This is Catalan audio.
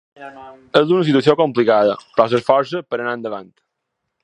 És una situació complicada, però s’esforça per anar endavant.